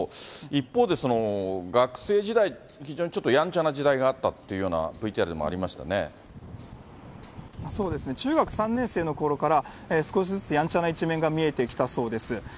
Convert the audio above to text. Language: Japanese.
一方で学生時代、非常にちょっとやんちゃな時代があったというような、ＶＴＲでもそうですね、中学３年生のころから少しずつやんちゃな一面が見えてきたそうです。